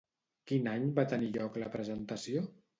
Quin any va tenir lloc la presentació?